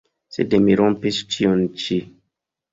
Sed mi rompis ĉion ĉi.